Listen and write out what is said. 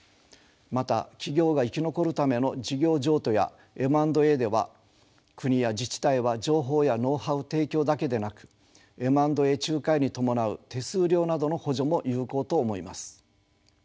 また企業が生き残るための事業譲渡やＭ＆Ａでは国や自治体は情報やノウハウ提供だけでなくＭ＆Ａ仲介に伴う手数料などの補助も有効と思います。